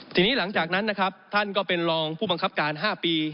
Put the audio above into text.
ทีนี้หลังจากนั้นนะครับท่านก็เป็นรองผู้บังคับการ๕ปี